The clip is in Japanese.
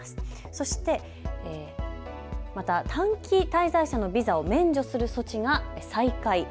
そしてまた短期滞在者のビザを免除する措置が再開。